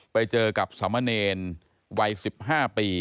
ไปเจอกับสมเนรวัย๑๕ปี